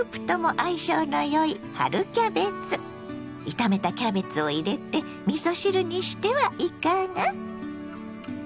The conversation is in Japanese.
炒めたキャベツを入れてみそ汁にしてはいかが？